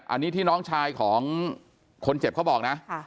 อันนี้ที่น้องชายของคนเจ็บเขาบอกนะ